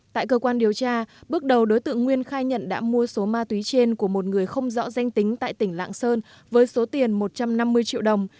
tại cơ quan điều tra bước đầu đối tượng nguyên khai nhận đã mua số ma túy trên của một người không rõ danh tính tại tỉnh lạng sơn với số tiền một trăm năm mươi triệu đồng